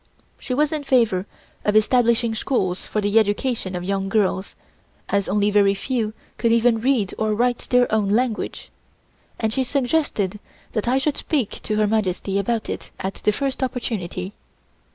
She was in favor of establishing schools for the education of young girls, as only very few could even read or write their own language, and she suggested that I should speak to Her Majesty about it at the first opportunity.